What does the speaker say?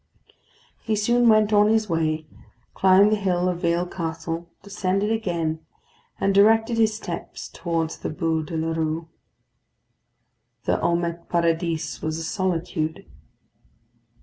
He soon went on his way, climbed the hill of Vale Castle, descended again, and directed his steps towards the Bû de la Rue. The Houmet Paradis was a solitude.